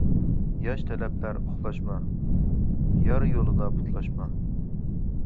ياش تەلەپلەر ئۇخلاشما، يار يولىدا پۇتلاشما.